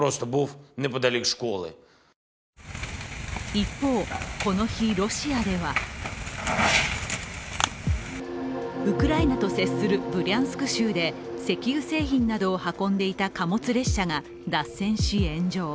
一方、この日、ロシアではウクライナと接するブリャンスク州で石油製品などを運んでいた貨物列車が脱線し炎上。